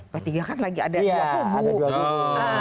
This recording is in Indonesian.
p tiga kan lagi ada dua kubu